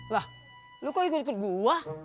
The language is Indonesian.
lah lo kok ikut ikut gua